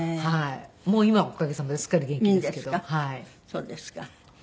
そうですか。